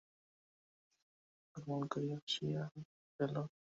মকদ্দমা একপ্রকার গোলমাল করিয়া ফাঁসিয়া গেল।